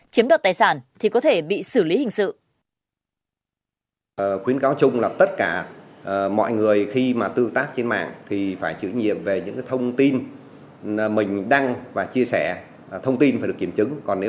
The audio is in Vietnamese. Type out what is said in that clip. chiếm đoạt tài sản thì có thể bị xử lý hình sự